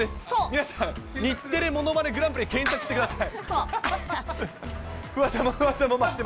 皆さん、日テレものまねグランプリで検索してください。